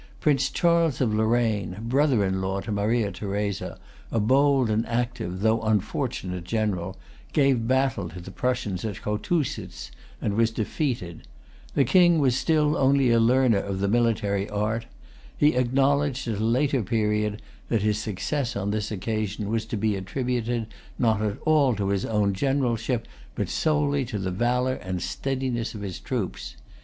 Prince Charles of Lorraine, brother in law to Maria Theresa, a bold and active though unfortunate general, gave battle to the Prussians at Chotusitz, and was defeated. The King was still only a learner of the military art. He acknowledged, at a later period, that his success on this occasion was to be attributed, not at all to his own generalship, but solely to the valor and steadiness of his troops.